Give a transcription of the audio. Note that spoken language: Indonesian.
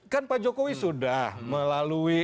kan pak jokowi sudah melalui